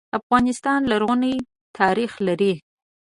افغانستان لرغونی ناریخ لري.